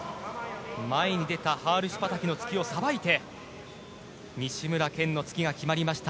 前に出たハールシュパタキの突きをさばいて西村拳の突きが決まりました